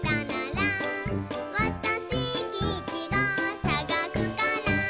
「わたしきいちごさがすから」